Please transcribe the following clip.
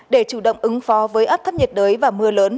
để chủ động ứng phó với áp thấp nhiệt đới và mưa lớn